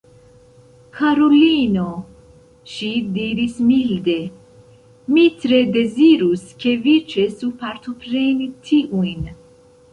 Karulino, ŝi diris milde, mi tre dezirus, ke vi ĉesu partopreni tiujn.